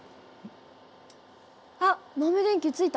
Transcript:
あっ豆電球ついた。